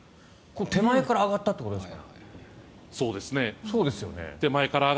手前から上がったということですか？